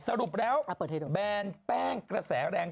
สรุปแล้วแบนแป้งกระแสแรง